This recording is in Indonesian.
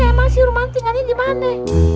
emang si rumah tinggalnya dimana